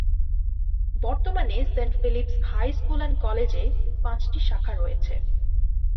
বর্তমানে Saint Philip's high school and কলেজে পাঁচটি শাখা রয়েছে।